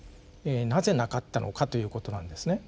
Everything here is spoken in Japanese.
なぜなかったのかということなんですね。